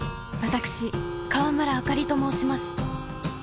私川村あかりと申します。